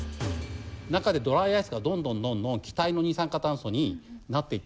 中でドライアイスがどんどんどんどん気体の二酸化炭素になっていってますから。